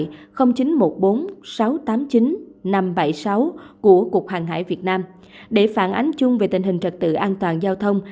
để phản ánh và được giải đáp các thông tin về tình hình trật tự an toàn giao thông